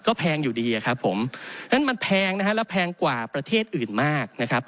ก็แพงอยู่ดีอะครับผมนั้นมันแพงนะฮะและแพงกว่าประเทศอื่นมากนะครับ